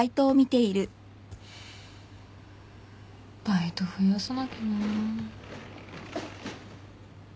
バイト増やさなきゃな。